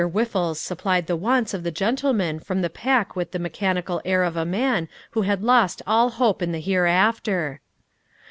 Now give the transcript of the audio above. Whiffles supplied the wants of the gentleman from the pack with the mechanical air of a man who had lost all hope in a hereafter.